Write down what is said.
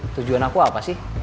tujuan aku apa sih